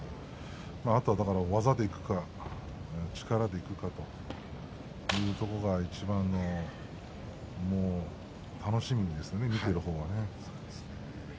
あとは技でいくか力でいくかというところがいちばんの楽しみですね。